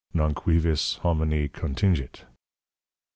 _ [_Non cuivis homini Contingit!